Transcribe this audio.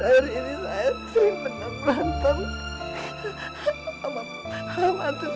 hari hari ini saya simpanan rantem